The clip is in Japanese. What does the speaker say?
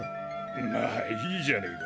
まあいいじゃねえか。